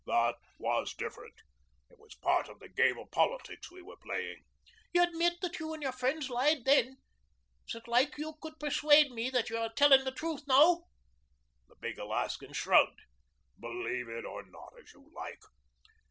"That was different. It was part of the game of politics we were playing." "You admit that you and your friends lied then. Is it like you could persuade me that you're telling the truth now?" The big Alaskan shrugged. "Believe it or not as you like.